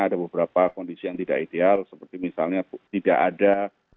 ada beberapa kondisi yang tidak ideal seperti misalnya tidak ada